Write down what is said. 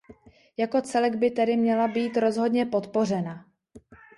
Jako celek by tedy měla být rozhodně podpořena.